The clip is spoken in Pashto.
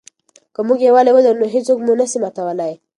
که موږ یووالي ولرو نو هېڅوک مو نه سي ماتولای.